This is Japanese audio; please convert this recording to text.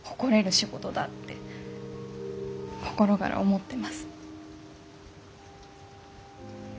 仕事だって心がら思ってます。